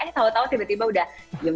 eh tau tau tiba tiba udah jam dua belas